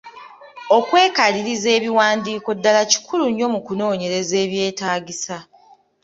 okwekaliriza ebiwandiiko ddaala kikkulu nnyo mu kunoonyereza ebyetaagisa .